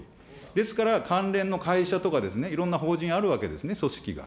ですから、関連の会社とかですね、いろんな法人あるわけですね、組織が。